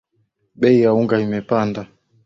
Bei ya unga imepanda